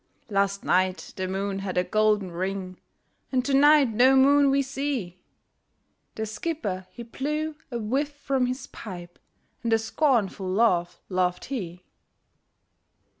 'Last night, the moon had a golden ring, And to night no moon we see!' The skipper, he blew a whiff from his pipe, And a scornful laugh laughed he.